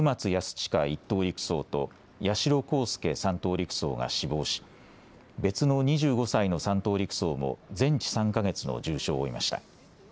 親１等陸曹と八代航佑３等陸曹が死亡し別の２５歳の３等陸曹も全治３か月の重傷を負いました。